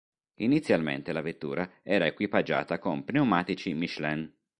Inizialmente la vettura era equipaggiata con pneumatici Michelin.